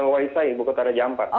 waisai bukit raja ampat